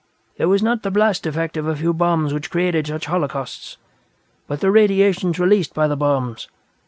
It was not the blast effect of a few bombs which created such holocausts, but the radiations released by the bombs.